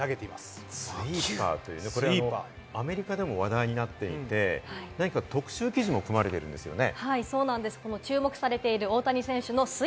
アメリカでも話題になっていて、何か特集記事も組まれてるんですよね？